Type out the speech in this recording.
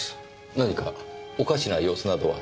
何かおかしな様子などは？